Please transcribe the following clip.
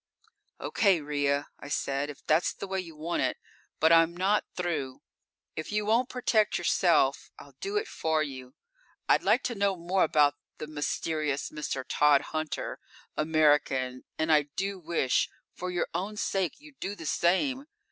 "Okay, Ria," I said, "if that's the way you want it. But I'm not through. If you won't protect yourself, I'll do it for you. I'd like to know more about the mysterious Mr. Tod Hunter, American, and I do wish, for your own sake, you'd do the same.